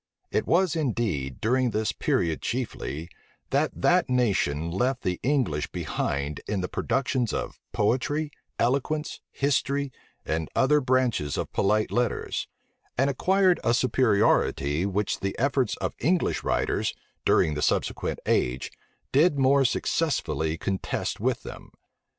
It was, indeed, during this period chiefly, that that nation left the English behind them in the productions of poetry, eloquence, history, and other branches of polite letters; and acquired a superiority which the efforts of English writers, during the subsequent age, did more successfully contest with them.